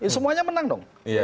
semuanya menang dong